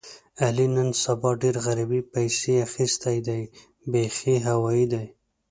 علي نن سبا ډېر غریبۍ پسې اخیستی دی بیخي هوایي دی.